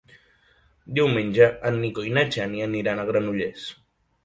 Diumenge en Nico i na Xènia aniran a Granollers.